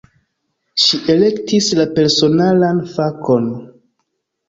Ŝi elektis la personaran fakon.